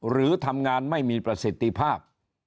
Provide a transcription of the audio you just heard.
หรือทำงานไม่มีประสิทธิภาพ